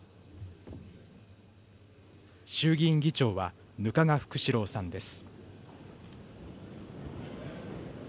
衆議院議長は額賀福志郎さんです。